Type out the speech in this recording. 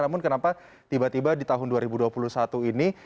namun kenapa tiba tiba di tahun dua ribu dua puluh satu ini